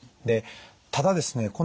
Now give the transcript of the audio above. でただですね